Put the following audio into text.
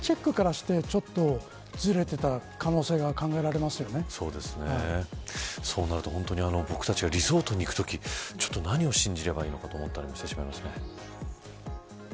最初のチェックからしてちょっとずれていた可能性がそうなると、本当に僕たちがリゾートに行くとき何を信じればいいのかと思ったりもしてしまいますね。